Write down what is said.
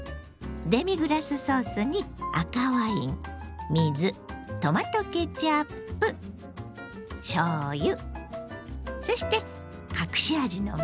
デミグラスソースに赤ワイン水トマトケチャップしょうゆそして隠し味のみそ。